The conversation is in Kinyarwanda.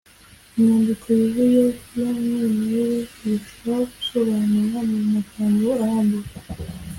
inyandiko yuzuye y'umwimerere irushaho gusobanura mu magambo arambuye